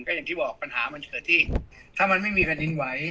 อย่างที่บอกปัญหามันเกิดที่ถ้ามันไม่มีแผ่นดินไหว